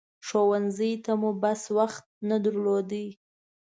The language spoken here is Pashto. ښوونځي ته مو بس وخت نه درلود.